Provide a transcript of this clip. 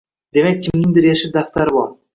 Demak, kimningdir yashil daftari bor